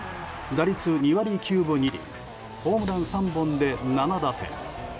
打率２割９分２厘ホームラン３本で７打点。